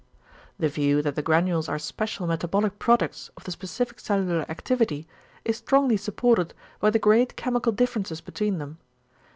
The view, that the granules are special metabolic products of the specific cellular activity, is strongly supported by the great chemical differences between them.